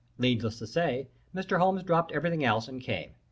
Needless to say, Mr. Holmes dropped everything else and came.